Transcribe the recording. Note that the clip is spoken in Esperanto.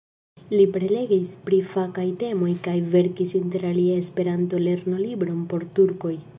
Li prelegis pri fakaj temoj kaj verkis interalie Esperanto-lernolibron por turkoj.